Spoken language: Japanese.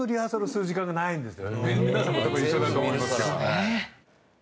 皆さんもでも一緒だと思いますけど。